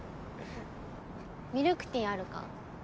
ミルクティーあるか？